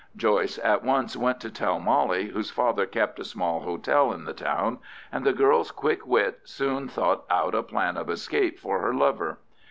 Joyce at once went to tell Molly, whose father kept a small hotel in the town, and the girl's quick wit soon thought out a plan of escape for her lover.